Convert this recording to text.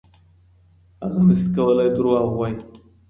هغه نسي کولای دروغ ووایي.